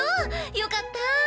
よかった。